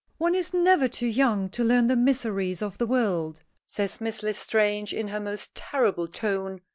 "One is never too young to learn the miseries of the world," says Miss L'Estrange, in her most terrible tone.